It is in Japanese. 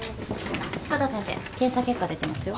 志子田先生検査結果出てますよ。